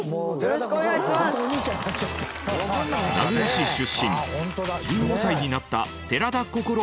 名古屋市出身１５歳になった寺田心君。